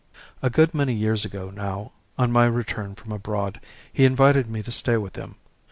A good many years ago now, on my return from abroad, he invited me to stay with him.